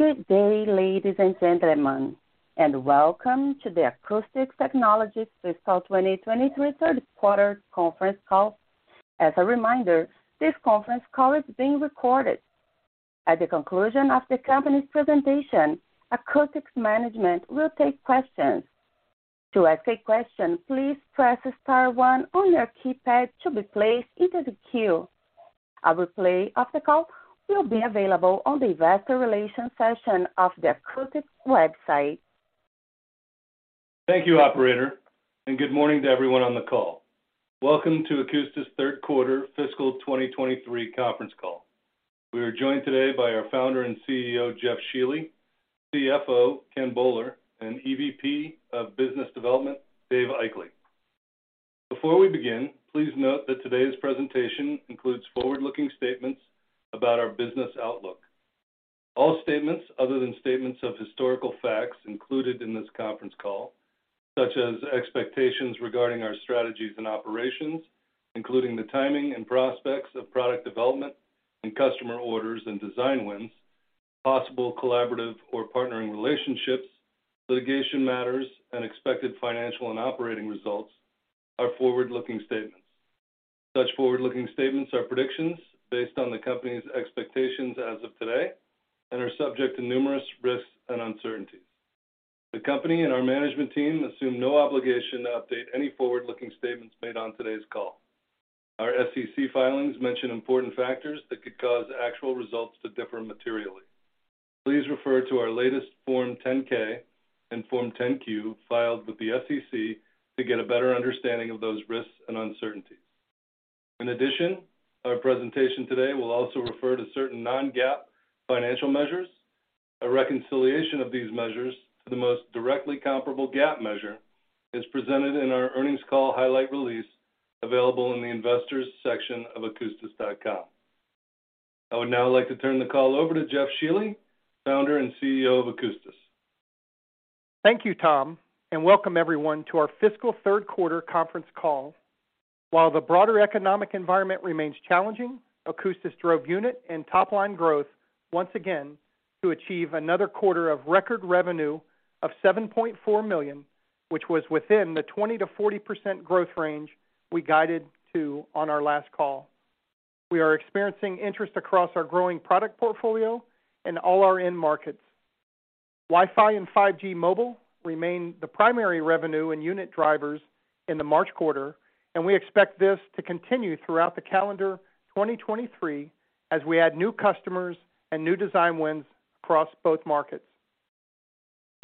Good day, ladies and gentlemen, welcome to the Akoustis Technologies Fiscal 2023 third quarter conference call. As a reminder, this conference call is being recorded. At the conclusion of the company's presentation, Akoustis management will take questions. To ask a question, please press star one on your keypad to be placed into the queue. A replay of the call will be available on the investor relations section of the Akoustis website. Thank you, operator, and good morning to everyone on the call. Welcome to Akoustis third quarter fiscal 2023 conference call. We are joined today by our founder and CEO, Jeff Shealy, CFO, Ken Boller, and EVP of Business Development, Dave Aichele. Before we begin, please note that today's presentation includes forward-looking statements about our business outlook. All statements other than statements of historical facts included in this conference call, such as expectations regarding our strategies and operations, including the timing and prospects of product development and customer orders and design wins, possible collaborative or partnering relationships, litigation matters, and expected financial and operating results are forward-looking statements. Such forward-looking statements are predictions based on the company's expectations as of today and are subject to numerous risks and uncertainties. The company and our management team assume no obligation to update any forward-looking statements made on today's call. Our SEC filings mention important factors that could cause actual results to differ materially. Please refer to our latest Form 10-K and Form 10-Q filed with the SEC to get a better understanding of those risks and uncertainties. In addition, our presentation today will also refer to certain non-GAAP financial measures. A reconciliation of these measures to the most directly comparable GAAP measure is presented in our earnings call highlight release available in the investors section of akoustis.com. I would now like to turn the call over to Jeff Shealy, Founder and CEO of Akoustis. Thank you, Tom, and welcome everyone to our fiscal third-quarter conference call. While the broader economic environment remains challenging, Akoustis drove unit and top-line growth once again to achieve another quarter of record revenue of $7.4 million, which was within the 20%-40% growth range we guided to on our last call. We are experiencing interest across our growing product portfolio in all our end markets. Wi-Fi and 5G Mobile remain the primary revenue and unit drivers in the March quarter, and we expect this to continue throughout the calendar 2023 as we add new customers and new design wins across both markets.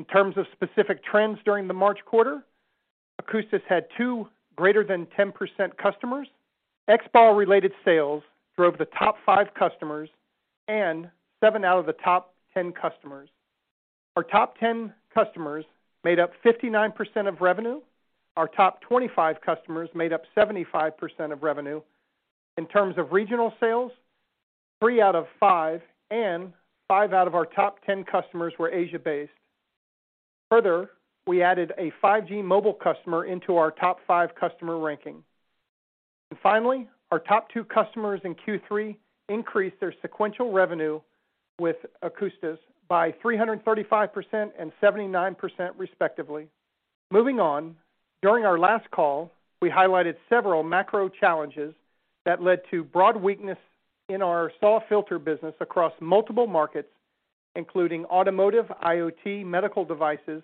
In terms of specific trends during the March quarter, Akoustis had 2 greater than 10% customers. XBAW-related sales drove the top 5 customers and 7 out of the top 10 customers. Our top 10 customers made up 59% of revenue. Our top 25 customers made up 75% of revenue. In terms of regional sales, 3 out of 5 and 5 out of our top 10 customers were Asia-based. Further, we added a 5G Mobile customer into our top five customer ranking. Finally, our top two customers in Q3 increased their sequential revenue with Akoustis by 335% and 79% respectively. Moving on, during our last call, we highlighted several macro challenges that led to broad weakness in our SAW filter business across multiple markets, including automotive, IoT, medical devices,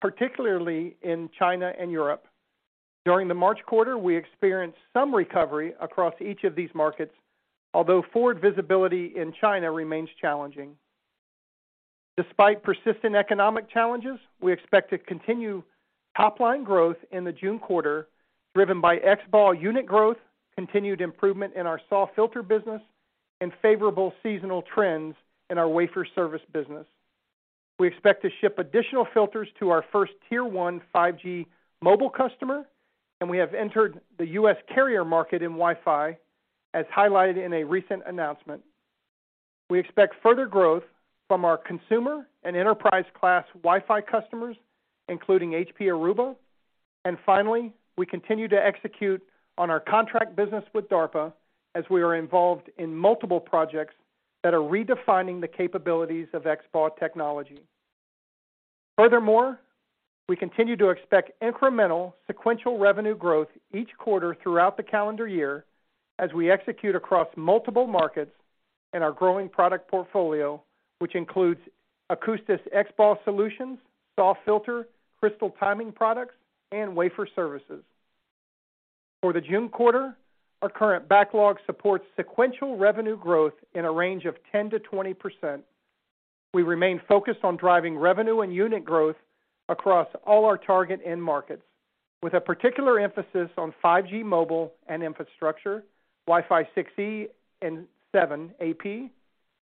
particularly in China and Europe. During the March quarter, we experienced some recovery across each of these markets, although forward visibility in China remains challenging. Despite persistent economic challenges, we expect to continue top-line growth in the June quarter, driven by XBAW unit growth, continued improvement in our SAW filter business, and favorable seasonal trends in our wafer service business. We expect to ship additional filters to our first tier-one 5G Mobile customer. We have entered the U.S. carrier market in Wi-Fi, as highlighted in a recent announcement. We expect further growth from our consumer and enterprise-class Wi-Fi customers, including HP Aruba. Finally, we continue to execute on our contract business with DARPA as we are involved in multiple projects that are redefining the capabilities of XBAW technology. We continue to expect incremental sequential revenue growth each quarter throughout the calendar year as we execute across multiple markets in our growing product portfolio, which includes Akoustis XBAW solutions, SAW filter, crystal timing products, and wafer services. For the June quarter, our current backlog supports sequential revenue growth in a range of 10%-20%. We remain focused on driving revenue and unit growth across all our target end markets, with a particular emphasis on 5G Mobile and infrastructure, Wi-Fi 6E and 7 AP,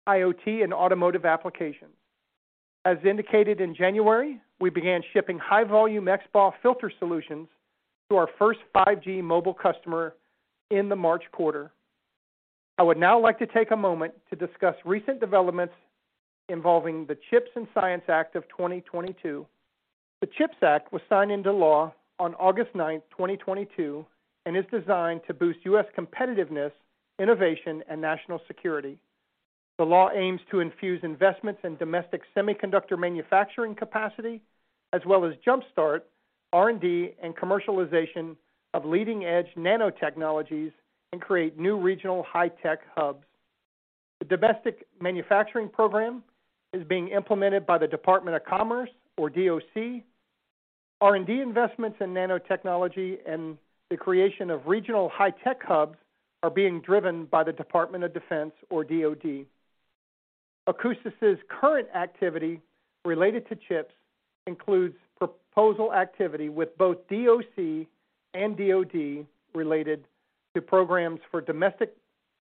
IoT, and automotive applications. As indicated in January, we began shipping high-volume XBAW filter solutions to our first 5G Mobile customer in the March quarter. I would now like to take a moment to discuss recent developments involving the CHIPS and Science Act of 2022. The CHIPS Act was signed into law on August 9, 2022, and is designed to boost U.S. competitiveness, innovation, and national security. The law aims to infuse investments in domestic semiconductor manufacturing capacity, as well as jumpstart R&D and commercialization of leading-edge nanotechnologies and create new regional high-tech hubs. The domestic manufacturing program is being implemented by the Department of Commerce, or DOC. R&D investments in nanotechnology and the creation of regional high-tech hubs are being driven by the Department of Defense, or DoD. Akoustis' current activity related to CHIPS includes proposal activity with both DOC and DoD related to programs for domestic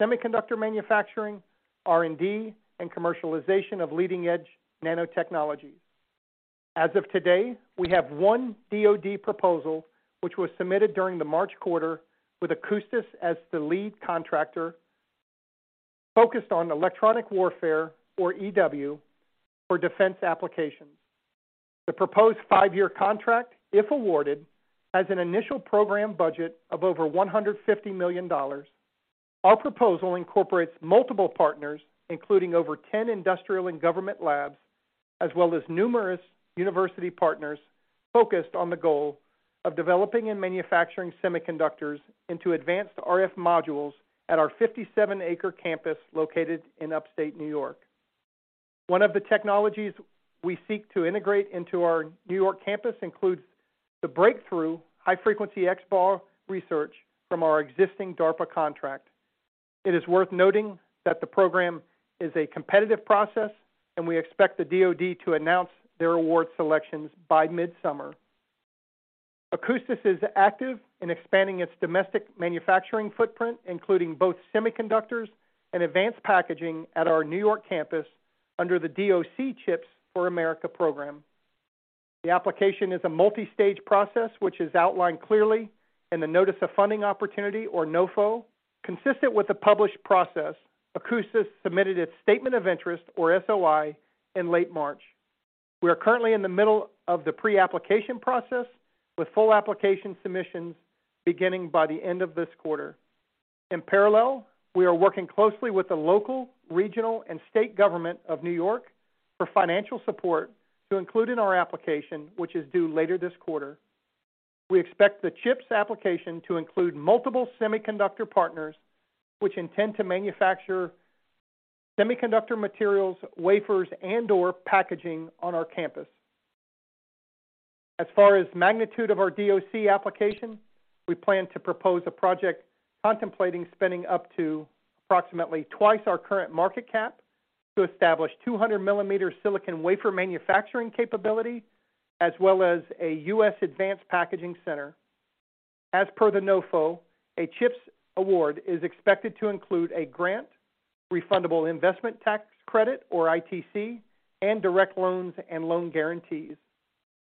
semiconductor manufacturing, R&D, and commercialization of leading-edge nanotechnologies. As of today, we have one DoD proposal which was submitted during the March quarter with Akoustis as the lead contractor focused on electronic warfare, or EW, for defense applications. The proposed five-year contract, if awarded, has an initial program budget of over $150 million. Our proposal incorporates multiple partners, including over 10 industrial and government labs, as well as numerous university partners focused on the goal of developing and manufacturing semiconductors into advanced RF modules at our 57 acre campus located in upstate New York. One of the technologies we seek to integrate into our New York campus includes the breakthrough high-frequency XBAW research from our existing DARPA contract. It is worth noting that the program is a competitive process, and we expect the DoD to announce their award selections by mid-summer. Akoustis is active in expanding its domestic manufacturing footprint, including both semiconductors and advanced packaging at our New York campus under the DOC CHIPS for America program. The application is a multi-stage process, which is outlined clearly in the Notice of Funding Opportunity, or NOFO. Consistent with the published process, Akoustis submitted its Statement of Interest, or SOI, in late March. We are currently in the middle of the pre-application process, with full application submissions beginning by the end of this quarter. In parallel, we are working closely with the local, regional, and state government of New York for financial support to include in our application, which is due later this quarter. We expect the CHIPS application to include multiple semiconductor partners which intend to manufacture semiconductor materials, wafers, and/or packaging on our campus. As far as magnitude of our DOC application, we plan to propose a project contemplating spending up to approximately twice our current market cap to establish 200 millimeter silicon wafer manufacturing capability, as well as a U.S. advanced packaging center. As per the NOFO, a CHIPS award is expected to include a grant, refundable investment tax credit, or ITC, and direct loans and loan guarantees.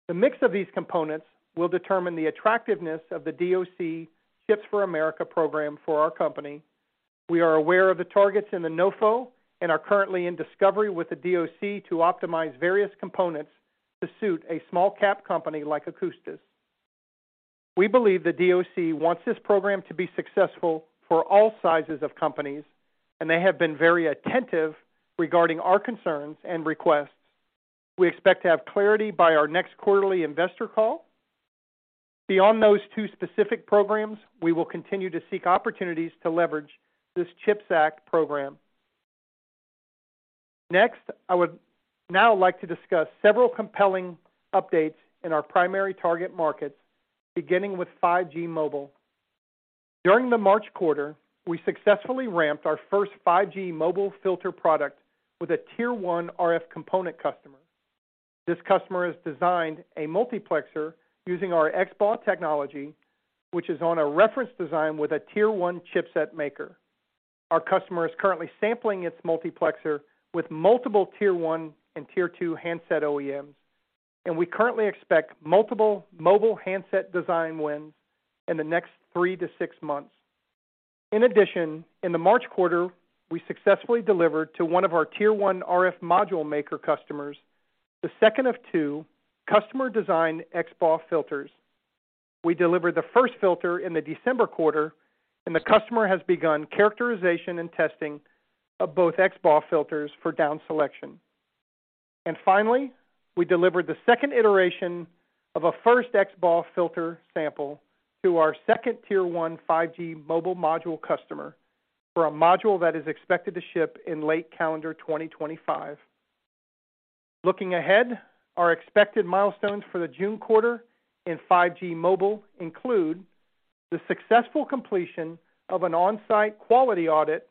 The mix of these components will determine the attractiveness of the DOC CHIPS for America program for our company. We are aware of the targets in the NOFO and are currently in discovery with the DOC to optimize various components to suit a small cap company like Akoustis. We believe the DOC wants this program to be successful for all sizes of companies. They have been very attentive regarding our concerns and requests. We expect to have clarity by our next quarterly investor call. Beyond those two specific programs, we will continue to seek opportunities to leverage this CHIPS Act program. I would now like to discuss several compelling updates in our primary target markets, beginning with 5G Mobile. During the March quarter, we successfully ramped our first 5G mobile filter product with a tier 1 RF component customer. This customer has designed a multiplexer using our XBAW technology, which is on a reference design with a tier one chipset maker. Our customer is currently sampling its multiplexer with multiple tier one and tier two handset OEMs. We currently expect multiple mobile handset design wins in the next 3-6 months. In addition, in the March quarter, we successfully delivered to one of our tier one RF module maker customers the second of two customer design XBAW filters. We delivered the first filter in the December quarter. The customer has begun characterization and testing of both XBAW filters for down selection. Finally, we delivered the second iteration of a first XBAW filter sample to our second tier one 5G mobile module customer for a module that is expected to ship in late calendar 2025. Looking ahead, our expected milestones for the June quarter in 5G Mobile include the successful completion of an on-site quality audit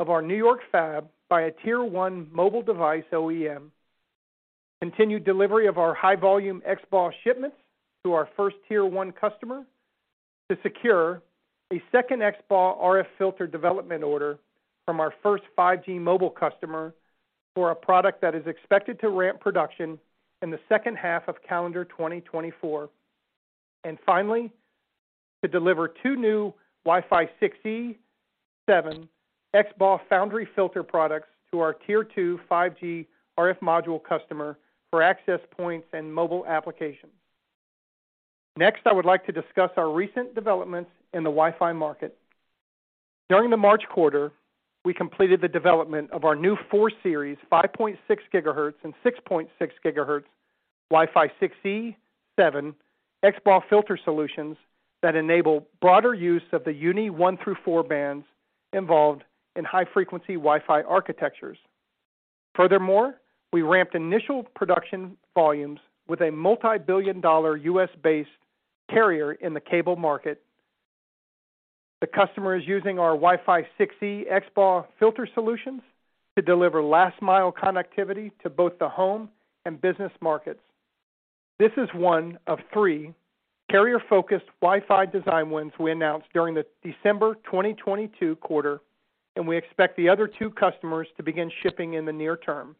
of our New York fab by a tier 1 mobile device OEM, continued delivery of our high-volume XBAW shipments to our 1st tier 1 customer to secure a 2nd XBAW RF filter development order from our 1st 5G mobile customer for a product that is expected to ramp production in the 2nd half of calendar 2024. Finally, to deliver 2 new Wi-Fi 6E7 XBAW foundry filter products to our tier 2 5G RF module customer for access points and mobile applications. Next, I would like to discuss our recent developments in the Wi-Fi market. During the March quarter, we completed the development of our new four series, 5.6 gigahertz and 6.6 gigahertz Wi-Fi 6E7 XBAW filter solutions that enable broader use of the UNII through four bands involved in high-frequency Wi-Fi architectures. Furthermore, we ramped initial production volumes with a multi-billion dollar U.S.-based carrier in the cable market. The customer is using our Wi-Fi 6E XBAW filter solutions to deliver last mile connectivity to both the home and business markets. This is one of three carrier-focused Wi-Fi design wins we announced during the December 2022 quarter, and we expect the other two customers to begin shipping in the near term.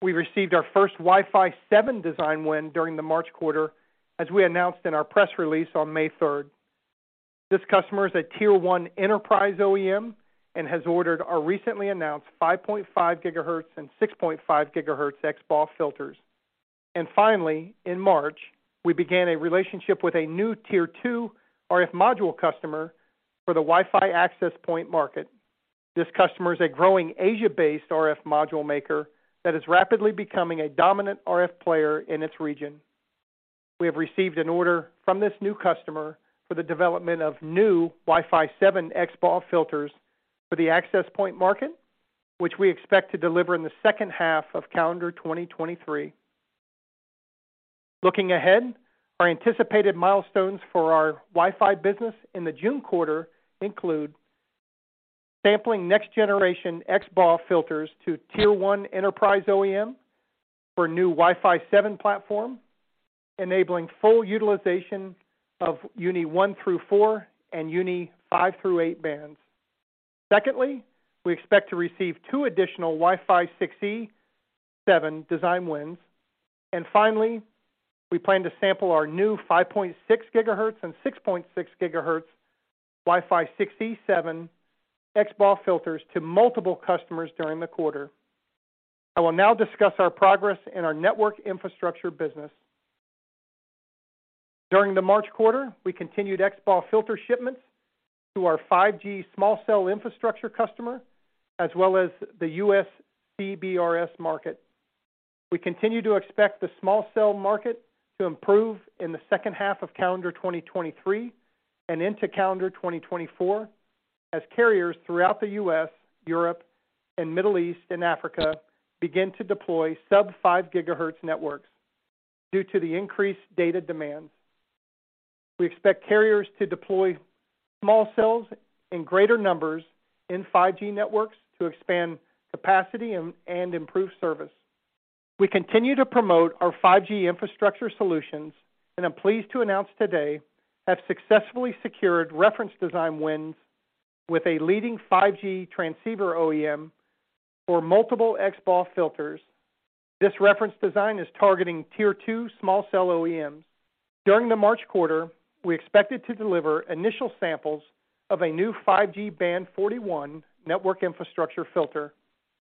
We received our first Wi-Fi 7 design win during the March quarter, as we announced in our press release on May 3rd. This customer is a tier one enterprise OEM and has ordered our recently announced 5.5 gigahertz and 6.5 gigahertz XBAW filters. Finally, in March, we began a relationship with a new tier two RF module customer for the Wi-Fi access point market. This customer is a growing Asia-based RF module maker that is rapidly becoming a dominant RF player in its region. We have received an order from this new customer for the development of new Wi-Fi 7 XBAW filters for the access point market, which we expect to deliver in the second half of calendar 2023. Looking ahead, our anticipated milestones for our Wi-Fi business in the June quarter include sampling next generation XBAW filters to tier one enterprise OEM for new Wi-Fi 7 platform, enabling full utilization of UNI one through four and UNI five through eight bands. We expect to receive 2 additional Wi-Fi 6E7 design wins. Finally, we plan to sample our new 5.6 gigahertz and 6.6 gigahertz Wi-Fi 6E7 XBAW filters to multiple customers during the quarter. I will now discuss our progress in our network infrastructure business. During the March quarter, we continued XBAW filter shipments to our 5G small cell infrastructure customer, as well as the U.S. CBRS market. We continue to expect the small cell market to improve in the second half of calendar 2023 and into calendar 2024 as carriers throughout the U.S., Europe, and Middle East, and Africa begin to deploy sub 5 gigahertz networks due to the increased data demands. We expect carriers to deploy small cells in greater numbers in 5G networks to expand capacity and improve service. We continue to promote our 5G infrastructure solutions. I'm pleased to announce today have successfully secured reference design wins with a leading 5G transceiver OEM for multiple XBAW filters. This reference design is targeting tier 2 small cell OEMs. During the March quarter, we expected to deliver initial samples of a new 5G band 41 network infrastructure filter.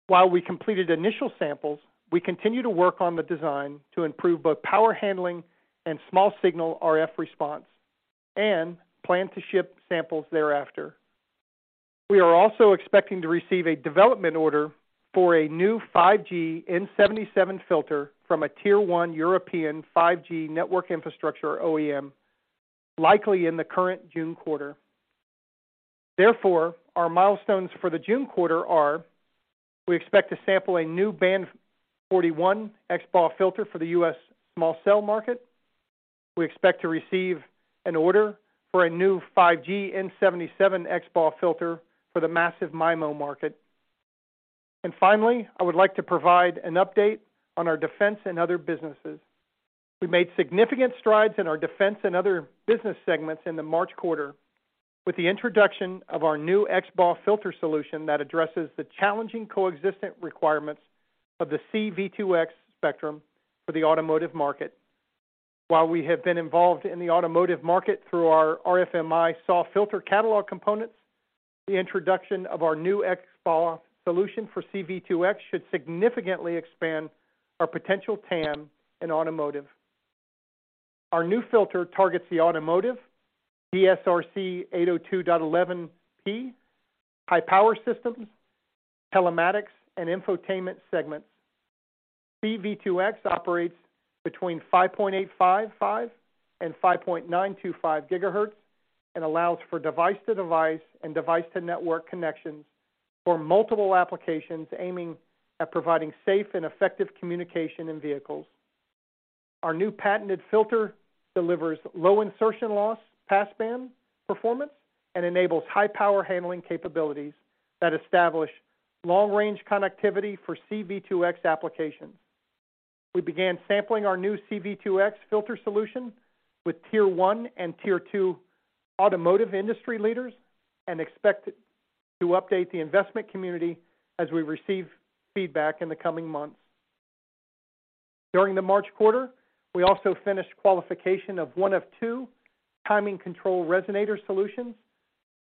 While we completed initial samples, we continue to work on the design to improve both power handling and small signal RF response and plan to ship samples thereafter. We are also expecting to receive a development order for a new 5G N77 filter from a tier 1 European 5G network infrastructure OEM, likely in the current June quarter. Our milestones for the June quarter are: We expect to sample a new band 41 XBAW filter for the US small cell market. We expect to receive an order for a new 5G N77 XBAW filter for the massive MIMO market. Finally, I would like to provide an update on our defense and other businesses. We made significant strides in our defense and other business segments in the March quarter with the introduction of our new XBAW filter solution that addresses the challenging coexistence requirements of the C-V2X spectrum for the automotive market. While we have been involved in the automotive market through our RFMi SAW filter catalog components, the introduction of our new XBAW solution for C-V2X should significantly expand our potential TAM in automotive. Our new filter targets the automotive DSRC 802.11p, high-power systems, telematics, and infotainment segments. C-V2X operates between 5.855 and 5.925 gigahertz and allows for device to device and device to network connections for multiple applications aiming at providing safe and effective communication in vehicles. Our new patented filter delivers low insertion loss, pass band performance, and enables high power handling capabilities that establish long-range connectivity for C-V2X applications. We began sampling our new C-V2X filter solution with tier 1 and tier 2 automotive industry leaders and expect to update the investment community as we receive feedback in the coming months. During the March quarter, we also finished qualification of 1 of 2 timing control resonator solutions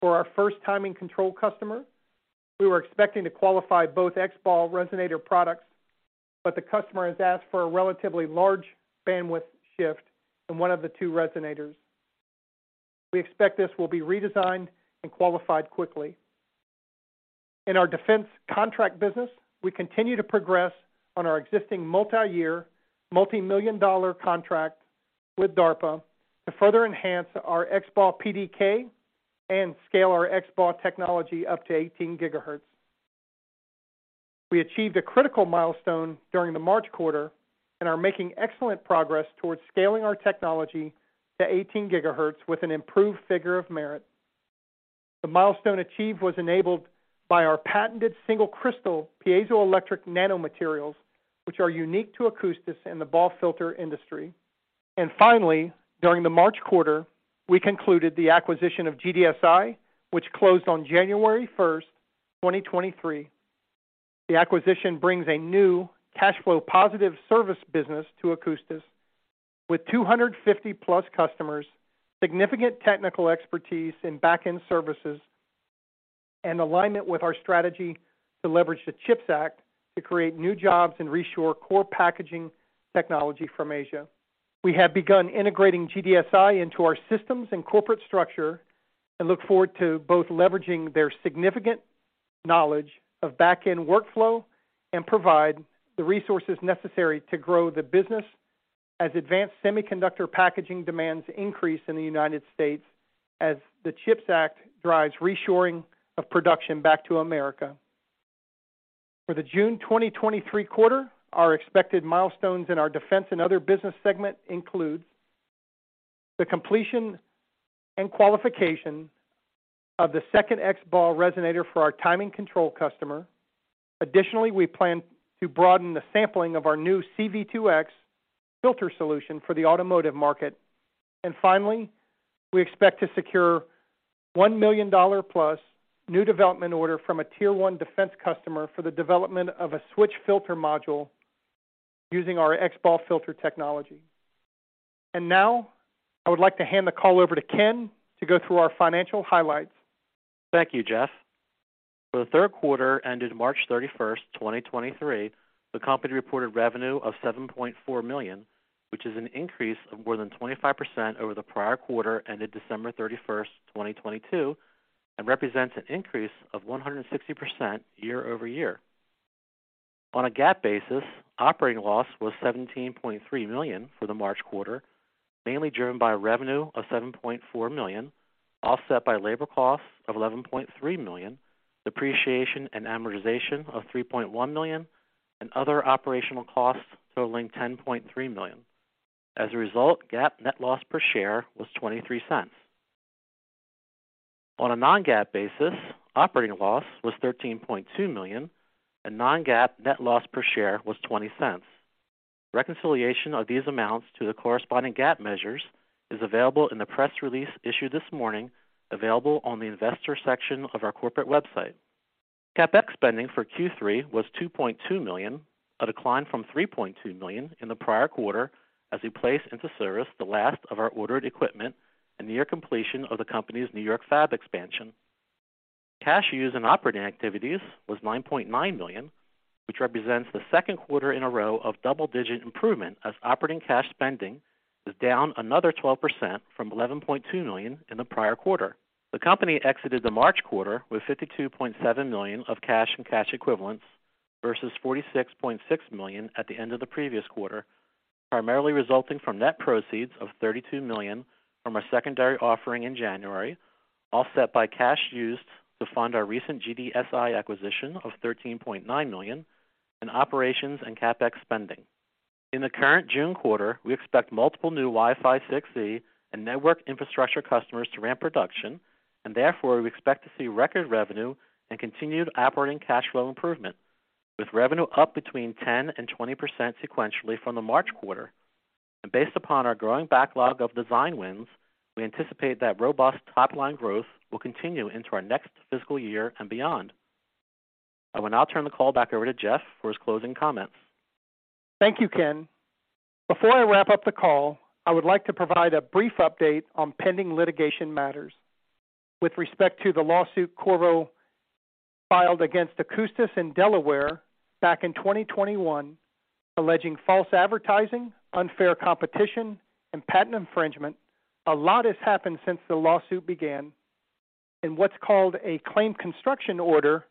for our first timing control customer. We were expecting to qualify both XBAW resonator products, but the customer has asked for a relatively large bandwidth shift in 1 of the 2 resonators. We expect this will be redesigned and qualified quickly. In our defense contract business, we continue to progress on our existing multi-year, multi-million-dollar contract with DARPA to further enhance our XBAW PDK and scale our XBAW technology up to 18 gigahertz. We achieved a critical milestone during the March quarter and are making excellent progress towards scaling our technology to 18 gigahertz with an improved figure of merit. The milestone achieved was enabled by our patented single crystal piezoelectric nanomaterials, which are unique to Akoustis in the BAW filter industry. Finally, during the March quarter, we concluded the acquisition of GDSI, which closed on January 1, 2023. The acquisition brings a new cash flow positive service business to Akoustis with 250-plus customers, significant technical expertise in back-end services, and alignment with our strategy to leverage the CHIPS Act to create new jobs and reshore core packaging technology from Asia. We have begun integrating GDSI into our systems and corporate structure and look forward to both leveraging their significant knowledge of back-end workflow and provide the resources necessary to grow the business as advanced semiconductor packaging demands increase in the United States as the CHIPS Act drives reshoring of production back to America. For the June 2023 quarter, our expected milestones in our defense and other business segment includes the completion and qualification of the second XBAW resonator for our timing control customer. Additionally, we plan to broaden the sampling of our new C-V2X filter solution for the automotive market. Finally, we expect to secure $1 million-plus new development order from a tier one defense customer for the development of a switch filter module using our XBAW filter technology. Now, I would like to hand the call over to Ken to go through our financial highlights. Thank you, Jeff. For the third quarter ended March 31st, 2023, the company reported revenue of $7.4 million, which is an increase of more than 25% over the prior quarter ended December 31st, 2022, and represents an increase of 160% year-over-year. On a GAAP basis, operating loss was $17.3 million for the March quarter, mainly driven by revenue of $7.4 million, offset by labor costs of $11.3 million, depreciation and amortization of $3.1 million, and other operational costs totaling $10.3 million. As a result, GAAP net loss per share was $0.23. On a non-GAAP basis, operating loss was $13.2 million, and non-GAAP net loss per share was $0.20. Reconciliation of these amounts to the corresponding GAAP measures is available in the press release issued this morning, available on the investor section of our corporate website. CapEx spending for Q3 was $2.2 million, a decline from $3.2 million in the prior quarter as we place into service the last of our ordered equipment and near completion of the company's New York fab expansion. Cash used in operating activities was $9.9 million, which represents the second quarter in a row of double-digit improvement as operating cash spending was down another 12% from $11.2 million in the prior quarter. The company exited the March quarter with $52.7 million of cash and cash equivalents versus $46.6 million at the end of the previous quarter, primarily resulting from net proceeds of $32 million from our secondary offering in January, offset by cash used to fund our recent GDSI acquisition of $13.9 million, and operations and CapEx spending. In the current June quarter, we expect multiple new Wi-Fi 6E and network infrastructure customers to ramp production, therefore, we expect to see record revenue and continued operating cash flow improvement, with revenue up between 10% and 20% sequentially from the March quarter. Based upon our growing backlog of design wins, we anticipate that robust top-line growth will continue into our next fiscal year and beyond. I will now turn the call back over to Jeff for his closing comments. Thank you, Ken. Before I wrap up the call, I would like to provide a brief update on pending litigation matters. With respect to the lawsuit Qorvo filed against Akoustis in Delaware back in 2021, alleging false advertising, unfair competition, and patent infringement. A lot has happened since the lawsuit began. In what's called a claim construction order,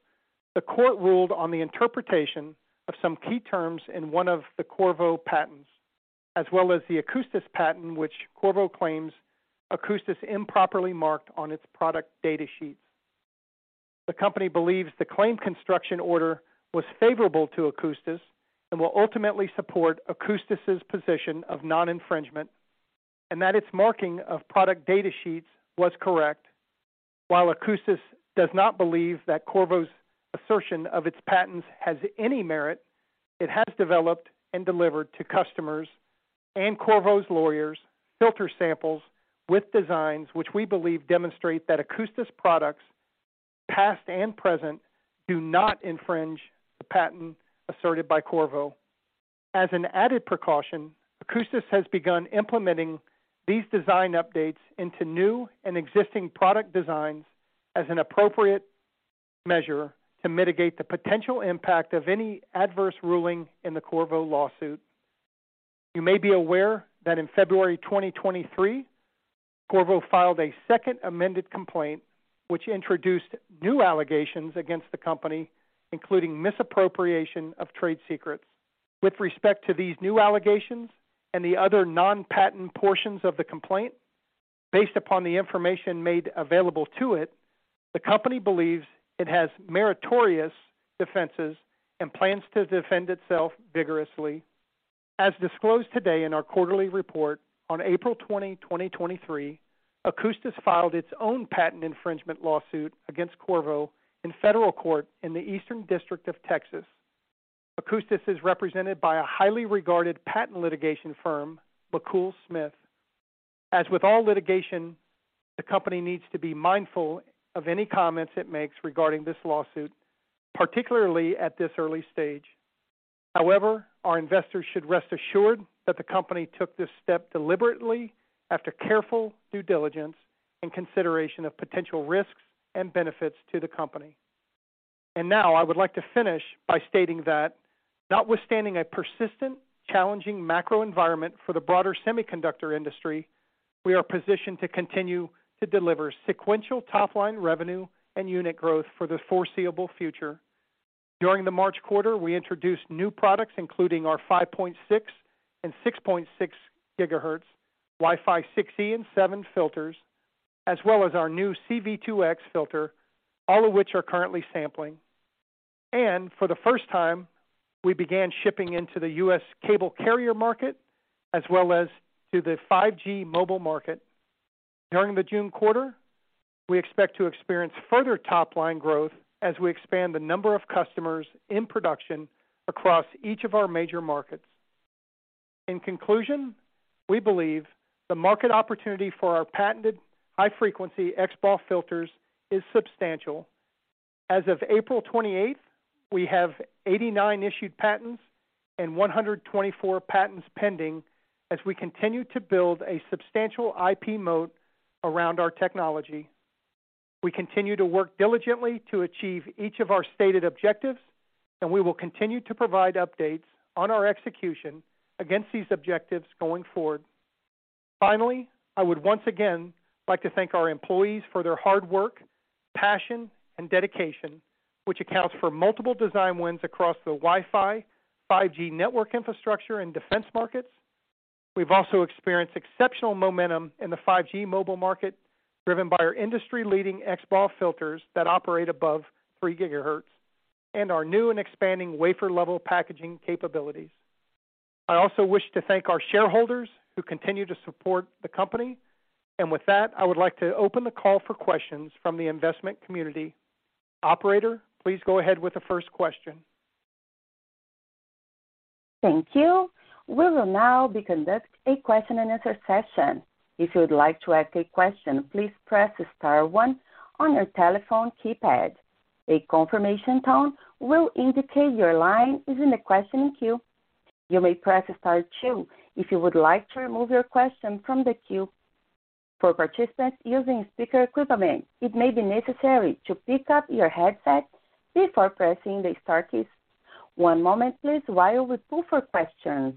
the court ruled on the interpretation of some key terms in one of the Qorvo patents, as well as the Akoustis patent, which Qorvo claims Akoustis improperly marked on its product data sheets. The company believes the claim construction order was favorable to Akoustis and will ultimately support Akoustis' position of non-infringement and that its marking of product data sheets was correct. While Akoustis does not believe that Qorvo's assertion of its patents has any merit, it has developed and delivered to customers filter samples with designs which we believe demonstrate that Akoustis products, past and present, do not infringe the patent asserted by Qorvo. As an added precaution, Akoustis has begun implementing these design updates into new and existing product designs as an appropriate measure to mitigate the potential impact of any adverse ruling in the Qorvo lawsuit. You may be aware that in February 2023, Qorvo filed a second amended complaint, which introduced new allegations against the company, including misappropriation of trade secrets. With respect to these new allegations and the other non-patent portions of the complaint, based upon the information made available to it, the company believes it has meritorious defenses and plans to defend itself vigorously. As disclosed today in our quarterly report on April 20, 2023, Akoustis filed its own patent infringement lawsuit against Qorvo in federal court in the Eastern District of Texas. Akoustis is represented by a highly regarded patent litigation firm, McKool Smith. As with all litigation, the company needs to be mindful of any comments it makes regarding this lawsuit, particularly at this early stage. However, our investors should rest assured that the company took this step deliberately after careful due diligence and consideration of potential risks and benefits to the company. I would like to finish by stating that notwithstanding a persistent, challenging macroenvironment for the broader semiconductor industry, we are positioned to continue to deliver sequential top-line revenue and unit growth for the foreseeable future. During the March quarter, we introduced new products, including our 5.6 and 6.6 gigahertz Wi-Fi 6E and 7 filters, as well as our new C-V2X filter, all of which are currently sampling. For the first time, we began shipping into the U.S. cable carrier market as well as to the 5G mobile market. During the June quarter, we expect to experience further top line growth as we expand the number of customers in production across each of our major markets. In conclusion, we believe the market opportunity for our patented high-frequency XBAW filters is substantial. As of April 28, we have 89 issued patents and 124 patents pending as we continue to build a substantial IP moat around our technology. We continue to work diligently to achieve each of our stated objectives, and we will continue to provide updates on our execution against these objectives going forward. Finally, I would once again like to thank our employees for their hard work, passion and dedication, which accounts for multiple design wins across the Wi-Fi, 5G network infrastructure and defense markets. We've also experienced exceptional momentum in the 5G mobile market, driven by our industry-leading XBAW filters that operate above 3 GHz and our new and expanding wafer level packaging capabilities. I also wish to thank our shareholders who continue to support the company. With that, I would like to open the call for questions from the investment community. Operator, please go ahead with the first question. Thank you. We will now be conducting a question and answer session. If you would like to ask a question, please press star one on your telephone keypad. A confirmation tone will indicate your line is in the questioning queue. You may press star two if you would like to remove your question from the queue. For participants using speaker equipment, it may be necessary to pick up your headset before pressing the star key. One moment please while we pull for questions.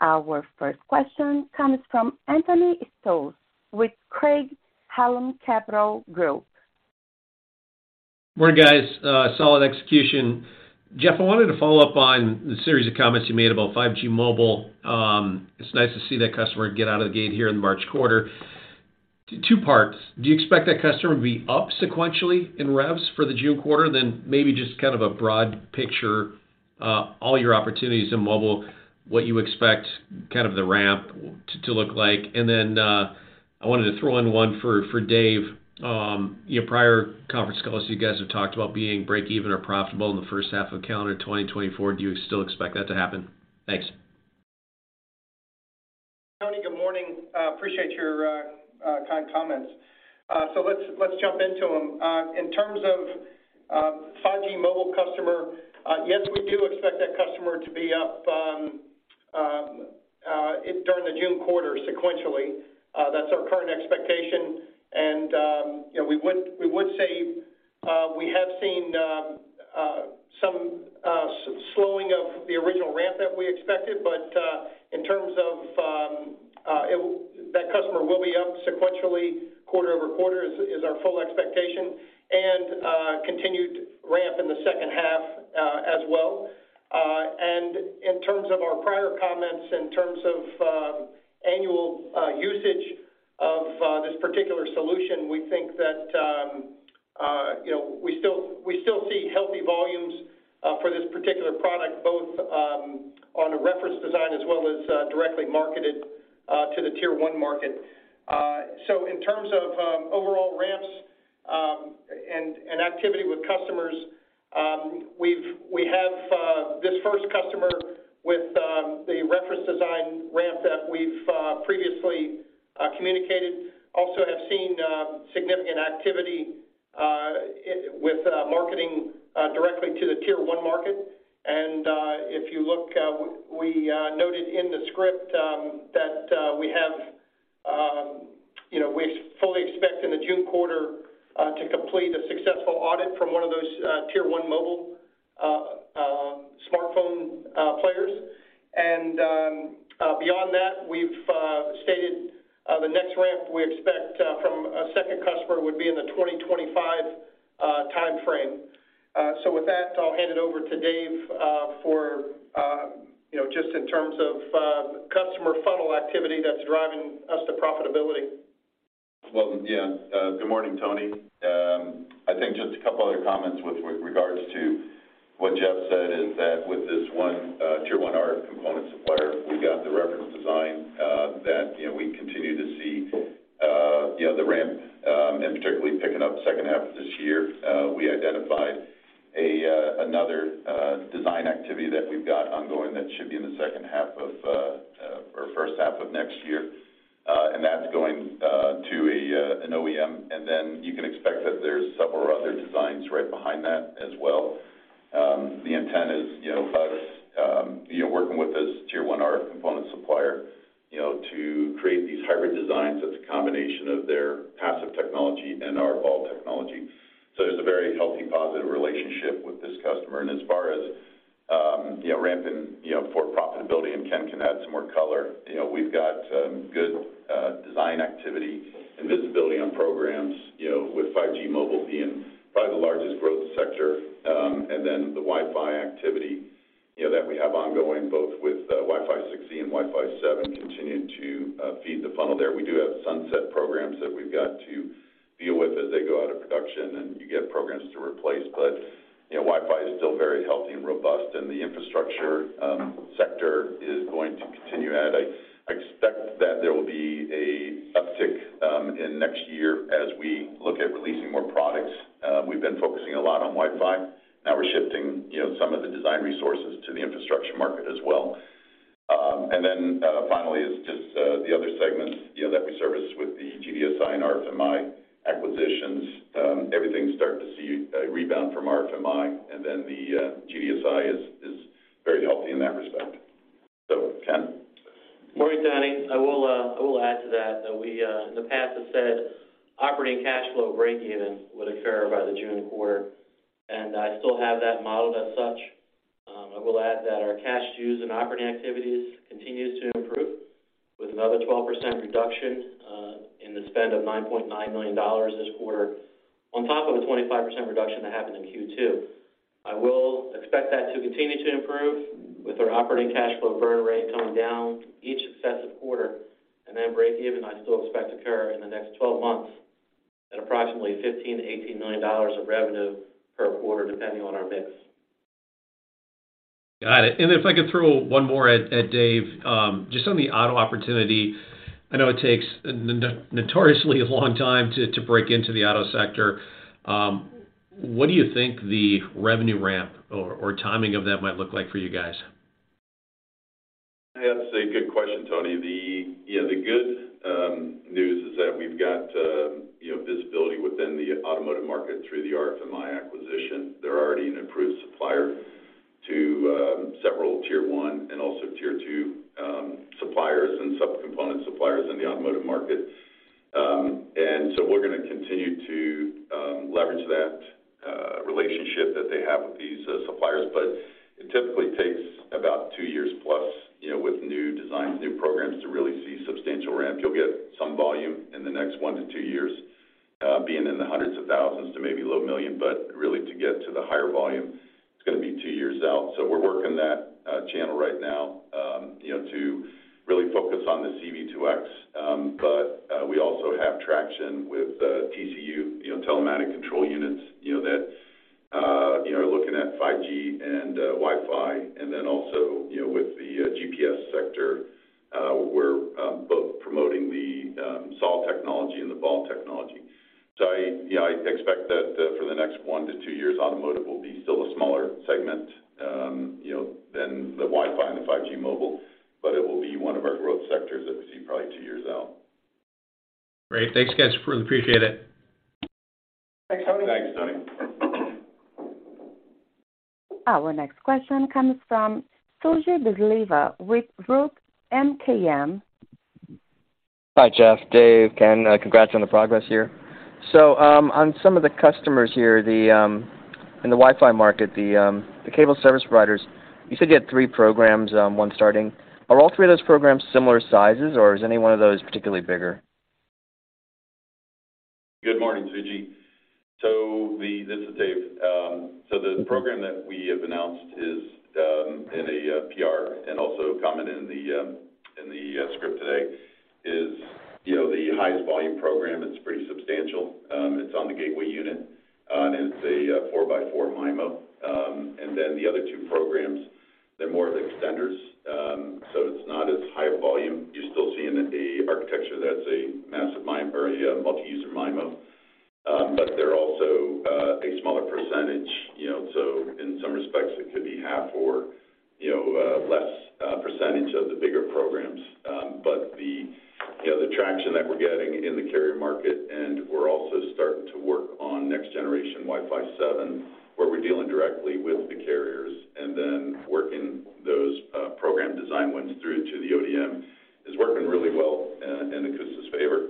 Our first question comes from Anthony Stoss with Craig-Hallum Capital Group. Morning, guys. Solid execution. Jeff, I wanted to follow up on the series of comments you made about 5G Mobile. It's nice to see that customer get out of the gate here in the March quarter. Two parts. Do you expect that customer to be up sequentially in revs for the June quarter? Maybe just kind of a broad picture, all your opportunities in mobile, what you expect kind of the ramp to look like. I wanted to throw in one for Dave. Your prior conference calls, you guys have talked about being break even or profitable in the first half of calendar 2024. Do you still expect that to happen? Thanks. Tony. Good morning. Appreciate your kind comments. Let's jump into them. In terms of 5G mobile customer, yes, we do expect that customer to be up during the June quarter sequentially. That's our current expectation. You know, we would say, we have seen some slowing of the original ramp that we expected. In terms of that customer will be up sequentially quarter-over-quarter is our full expectation and continued ramp in the second half as well. In terms of our prior comments, in terms of annual usage of this particular solution, we think that, you know, we still see healthy. For this particular product, both on a reference design as well as directly marketed to the tier one market. In terms of overall ramps and activity with customers, we have this first customer with the reference design ramp that we've previously communicated. Also have seen significant activity with marketing directly to the tier one market. If you look, we noted in the script that we have, you know, we fully expect in the June quarter to complete a successful audit from one of those tier one mobile smartphone players. Beyond that, we've stated the next ramp we expect from a second customer would be in the 2025 timeframe. With that, I'll hand it over to Dave, for, you know, just in terms of customer funnel activity that's driving us to profitability. Well, yeah. Good morning, Tony. I think just a couple other comments with regards to what Jeff said is that with this one tier one RF component supplier, we've got the reference design that, you know, we continue to see, you know, the ramp, and particularly picking up second half of this year. We identified another design activity that we've got ongoing that should be in the second half of or first half of next year. That's going to an OEM, and then you can expect that there's several other designs right behind that as well. The intent is by this working with this tier one RF component supplier to create these hybrid designs, that's a combination of their passive technology and our BAW technology. There's a very healthy, positive relationship with this customer. As far as ramp and for profitability, and Ken can add some more color, we've got good design activity and visibility on programs with 5G mobile being probably the largest growth sector, and then the Wi-Fi activity that we have ongoing both with Wi-Fi 6E and Wi-Fi 7 continuing to feed the funnel there. We do have sunset programs that we've got to deal with as they go out of production and you get programs to replace. You know, Wi-Fi is still very healthy and robust, and the infrastructure sector is going to continue at. I expect that there will be a uptick in next year as we look at releasing more products. We've been focusing a lot on Wi-Fi. Now we're shifting, you know, some of the design resources to the infrastructure market as well. Finally is just the other segment, you know, that we service with the GDSI and RFMi acquisitions. Everything's starting to see a rebound from RFMi, and then the GDSI is very healthy in that respect. Ken. Morning, Tony. I will add to that we in the past have said operating cash flow break even would occur by the June quarter, and I still have that modeled as such. I will add that our cash use and operating activities continues to improve with another 12% reduction in the spend of $9.9 million this quarter on top of a 25% reduction that happened in Q2. I will expect that to continue to improve with our operating cash flow burn rate coming down each successive quarter. Break even, I still expect to occur in the next 12 months at approximately $15 million-$18 million of revenue per quarter, depending on our mix. Got it. If I could throw one more at Dave, just on the auto opportunity. I know it takes a notoriously long time to break into the auto sector. What do you think the revenue ramp or timing of that might look like for you guys? That's a good question, Tony. The, you know, the good news is that we've got, you know, visibility within the automotive market through the RFMi acquisition. They're already an approved supplier to several tier one and also tier two suppliers and sub-component suppliers in the automotive market. We're gonna continue to leverage that relationship that they have with these suppliers. It typically takes about 2 years plus, you know, with new designs, new programs to really see substantial ramp. You'll get some volume in the next 1-2 years, being in the hundreds of thousands to maybe low million. Really to get to the higher volume, it's gonna be 2 years out. We're working that channel right now, you know, to really focus on the C-V2X. We also have traction with TCU, you know, telematic control units, you know, that's, you know, are looking at 5G and Wi-Fi. Also, you know, with the GPS sector, we're both promoting the SAW technology and the BAW technology. I, you know, I expect that for the next one to two years, automotive will be still a smaller segment, you know, than the Wi-Fi and the 5G mobile, but it will be one of our growth sectors that we see probably two years out. Great. Thanks, guys. Really appreciate it. Thanks, Tony. Thanks, Tony. Our next question comes from Suji Desilva with Roth MKM. Hi, Jeff, Dave, Ken. Congrats on the progress here. On some of the customers here, the, in the Wi-Fi market, the cable service providers, you said you had three programs, one starting. Are all three of those programs similar sizes or is any one of those particularly bigger? Good morning, Suji. This is Dave. The program that we have announced in a PR and also comment in the script today is, you know, the highest volume program is pretty substantial. It's on the gateway unit, and it's a 4x4 MIMO. The other 2 programs, they're more of extenders, so it's not as high volume. You're still seeing an architecture that's a massive MIMO or a multi-user MIMO, but they're also a smaller percentage, you know. In some respects, it could be half or, you know, less percentage of the bigger programs. The, you know, the traction that we're getting in the carrier market, and we're also starting to work on next generation Wi-Fi 7, where we're dealing directly with the carriers, and then working those program design wins through to the ODM is working really well in Akoustis' favor.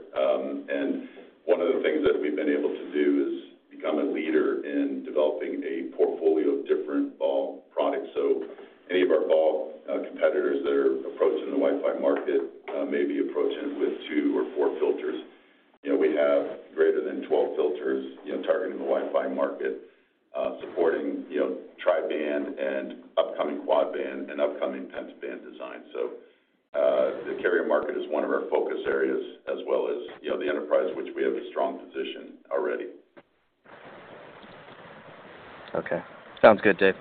One of the things that we've been able to do is become a leader in developing a portfolio of different BAW products. Any of our BAW competitors that are approaching the Wi-Fi market may be approaching it with 2 or 4 filters. You know, we have greater than 12 filters, you know, targeting the Wi-Fi market, supporting, you know, tri-band and upcoming quad band and upcoming pent band design. The carrier market is one of our focus areas as well as, you know, the enterprise which we have a strong position already. Okay. Sounds good, Dave.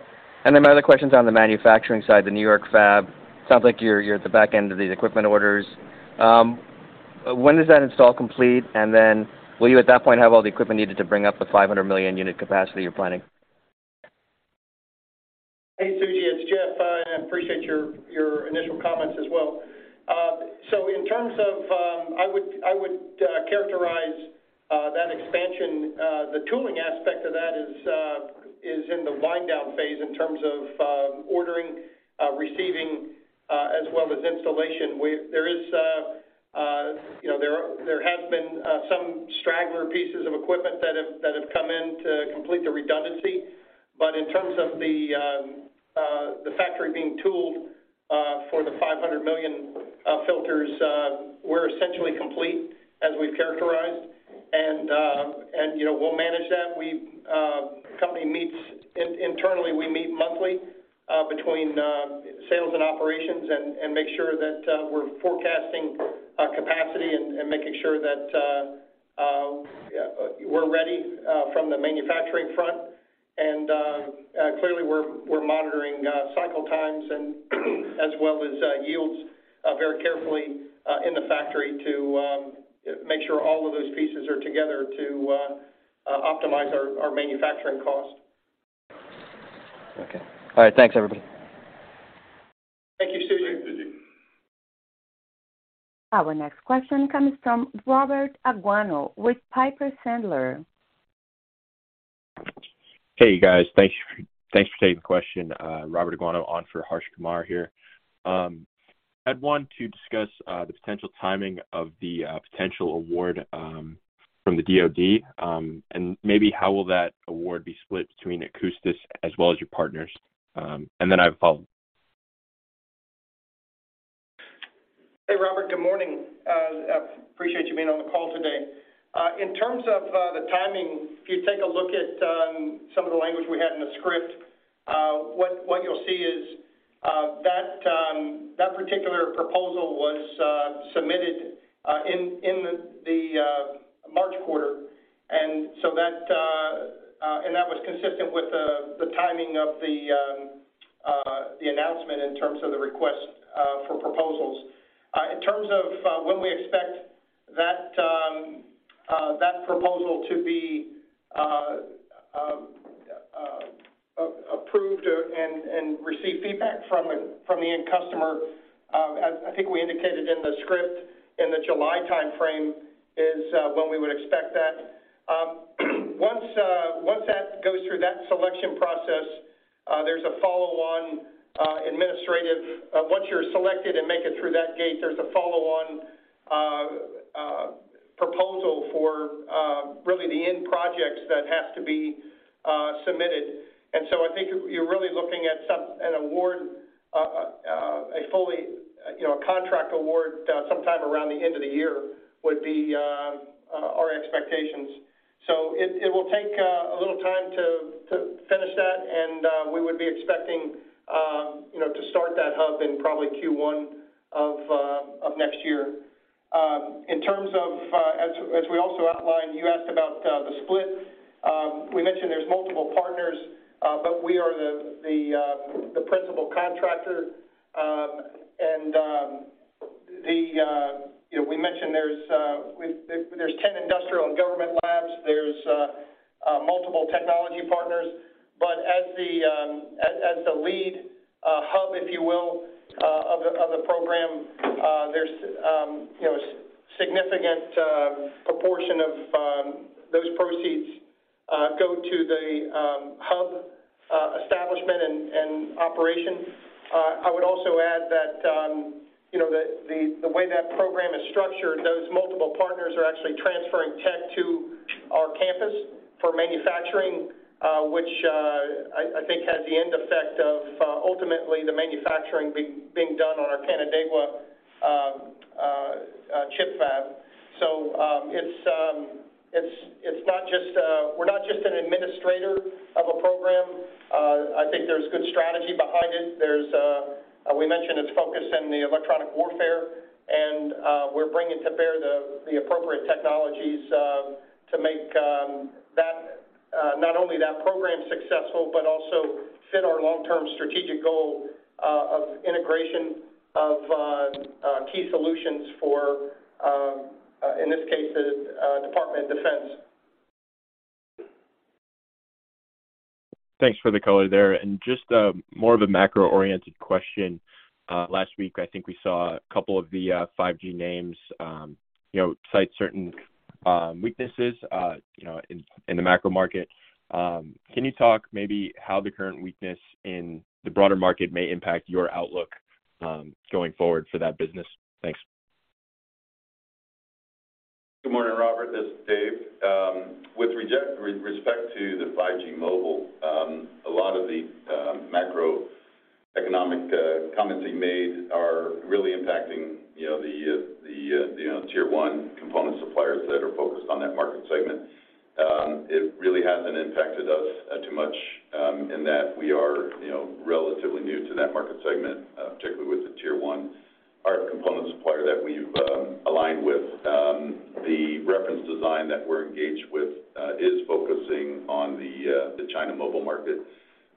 My other question's on the manufacturing side, the New York fab. Sounds like you're at the back end of these equipment orders. When is that install complete? Will you at that point have all the equipment needed to bring up the 500 million unit capacity you're planning? Hey, Suji, it's Jeff. I appreciate your initial comments as well. In terms of I would characterize that expansion. The tooling aspect of that is in the wind down phase in terms of ordering, receiving, as well as installation. There is, you know, there has been some straggler pieces of equipment that have come in to complete the redundancy. In terms of the factory being tooled for the $500 million filters, we're essentially complete as we've characterized. You know, we'll manage that. We, the company meets internally, we meet monthly between sales and operations and make sure that we're forecasting capacity and making sure that we're ready from the manufacturing front. Clearly, we're monitoring cycle times and as well as yields very carefully in the factory to make sure all of those pieces are together to optimize our manufacturing cost. Okay. All right. Thanks, everybody. Thank you, Suji. Thanks, Suji. Our next question comes from Robert Aguanno with Piper Sandler. Hey, you guys. Thanks for taking the question. Robert Aguanno on for Harsh Kumar here. I'd want to discuss the potential timing of the potential award from the DoD, maybe how will that award be split between Akoustis as well as your partners. I have a follow-up. Hey, Robert. Good morning. Appreciate you being on the call today. In terms of the timing, if you take a look at some of the language we had in the script, what you'll see is that particular proposal was submitted in the March quarter. That was consistent with the timing of the announcement in terms of the request for proposals. In terms of when we expect that proposal to be approved and receive feedback from the end customer, I think we indicated in the script in the July timeframe is when we would expect that. Once that goes through that selection process, there's a follow-on administrative. Once you're selected and make it through that gate, there's a follow-on proposal for really the end projects that has to be submitted. I think you're really looking at an award, a fully, you know, a contract award, sometime around the end of the year would be our expectations. It, it will take a little time to finish that, and we would be expecting, you know, to start that hub in probably Q1 of next year. In terms of, as we also outlined, you asked about the split. We mentioned there's multiple partners, but we are the principal contractor. You know, we mentioned there's 10 industrial and government labs. There's multiple technology partners. As the lead hub, if you will, of the program, there's, you know, significant proportion of those proceeds go to the hub establishment and operation. I would also add that, you know, the way that program is structured, those multiple partners are actually transferring tech to our campus for manufacturing, which, I think has the end effect of, ultimately the manufacturing being done on our Canandaigua chip fab. It's not just. We're not just an administrator of a program. I think there's good strategy behind it. There's, we mentioned it's focused in the electronic warfare, and, we're bringing to bear the appropriate technologies, to make, that, not only that program successful, but also fit our long-term strategic goal, of integration of, key solutions for, in this case, the, Department of Defense. Thanks for the color there. Just, more of a macro-oriented question. Last week, I think we saw a couple of the 5G names, you know, cite certain weaknesses, you know, in the macro market. Can you talk maybe how the current weakness in the broader market may impact your outlook, going forward for that business? Thanks. Good morning, Robert. This is Dave. With respect to the 5G mobile, a lot of the macroeconomic comments being made are really impacting, you know, the, you know, tier one component suppliers that are focused on that market segment. It really hasn't impacted us too much in that we are, you know, relatively new to that market segment, particularly with the tier one. Our component supplier that we've aligned with, the reference design that we're engaged with, is focusing on the China mobile market.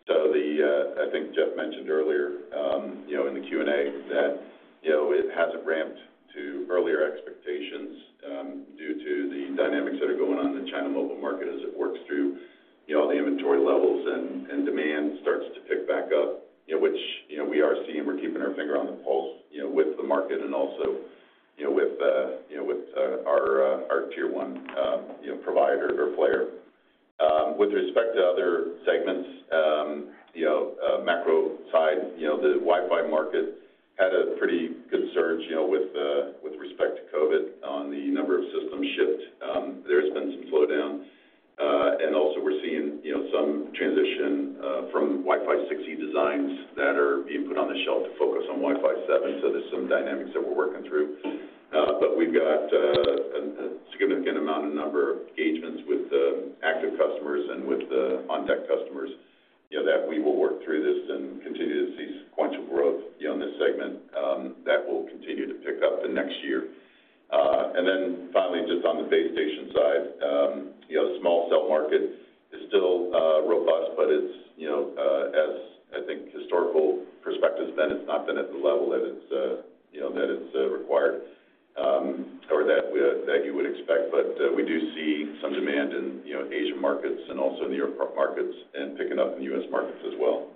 The, I think Jeff Shealy mentioned earlier, in the Q&A that it hasn't ramped to earlier expectations due to the dynamics that are going on in the China mobile market as it works through the inventory levels and demand starts to pick back up, which we are seeing. We're keeping our finger on the pulse with the market and also with our tier one provider or player. With respect to other segments, macro side, the Wi-Fi market had a pretty good surge with respect to COVID on the number of systems shipped. There's been some slowdowns. Also we're seeing, you know, some transition from Wi-Fi 6E designs that are being put on the shelf to focus on Wi-Fi 7, so there's some dynamics that we're working through. We've got a significant amount, a number of engagements with active customers and with the on-deck customers, you know, that we will work through this and continue to see sequential growth, you know, in this segment that will continue to pick up the next year. Then finally, just on the base station side, you know, small cell market is still robust, but it's, you know, as I think historical perspective's been, it's not been at the level that it's, you know, that it's required, or that you would expect. We do see some demand in, you know, Asian markets and also in the Europe markets and picking up in the U.S. markets as well.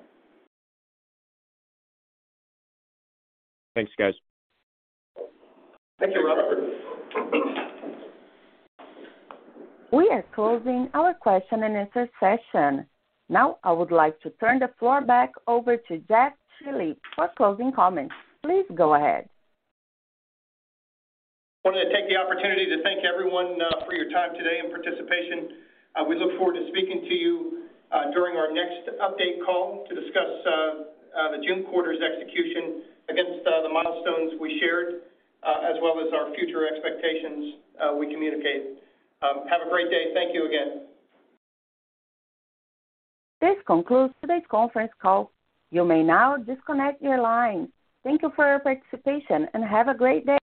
Thanks, guys. Thank you, Robert. We are closing our question and answer session. Now I would like to turn the floor back over to Jeff Shealy for closing comments. Please go ahead. Wanted to take the opportunity to thank everyone for your time today and participation. We look forward to speaking to you during our next update call to discuss the June quarter's execution against the milestones we shared as well as our future expectations we communicate. Have a great day. Thank you again. This concludes today's conference call. You may now disconnect your line. Thank you for your participation, and have a great day.